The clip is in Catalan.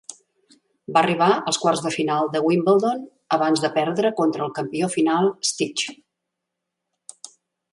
Va arribar als quarts de final de Wimbledon abans de perdre contra el campió final Stich.